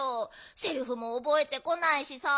セリフもおぼえてこないしさあ。